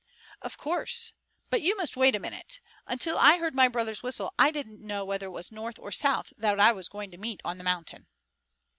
"Of course! But you must wait a minute! Until I heard my brother's whistle I didn't know whether it was North or South that I was going to meet on the mountain."